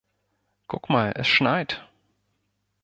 Guck mal, es schneit!